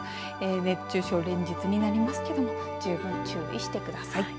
熱中症連日になりますけども十分注意してください。